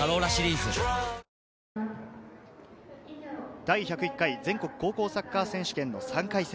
第１０１回全国高校サッカー選手権の３回戦。